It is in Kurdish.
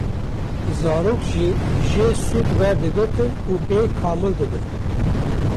Zarok jî jê sûd werdigirtin û pê kamildibin.